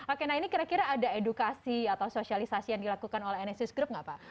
oke nah ini kira kira ada edukasi atau sosialisasi yang dilakukan oleh enesis group nggak pak